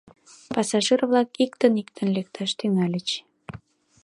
Пассажир-влак иктын-иктын лекташ тӱҥальыч.